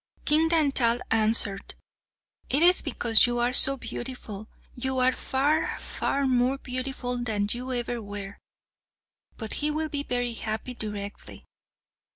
King Dantal answered, "It is because you are so beautiful. You are far, far more beautiful than you ever were. But he will be very happy directly."